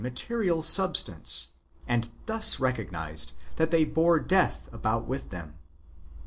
109 material substance, and thus recognised that they bore death about with them.